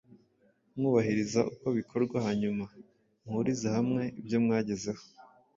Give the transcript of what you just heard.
mwubahiriza uko bikorwa, hanyuma muhurize hamwe ibyo mwagezeho.